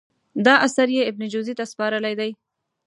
دا اثر یې ابن جزي ته سپارلی دی.